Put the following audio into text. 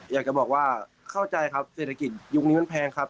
อยากจะบอกว่าเข้าใจครับเศรษฐกิจยุคนี้มันแพงครับ